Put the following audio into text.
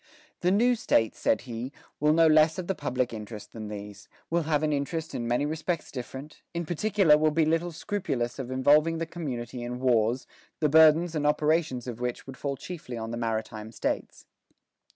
"The new States," said he, "will know less of the public interest than these; will have an interest in many respects different; in particular will be little scrupulous of involving the community in wars, the burdens and operations of which would fall chiefly on the maritime States.